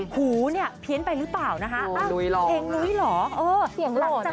หูเนี่ยเพี้ยนไปหรือเปล่านะคะเพลงนุ้ยเหรอเออเสียงหลังจาก